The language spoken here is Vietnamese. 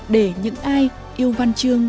để những ai yêu văn chương